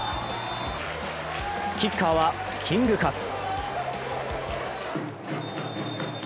キッカーはキングカズ。